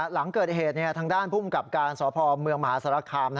หลังเกิดเหตุทางด้านภูมิกับการสพเมืองมหาสารคาม